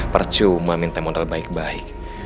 percuma minta modal baik baik